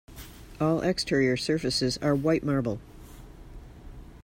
All exterior surfaces are white marble.